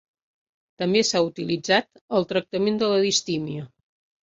També s"ha utilitzat al tractament de la distímia,